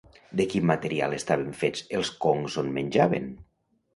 De quin material estaven fets els concs on menjaven?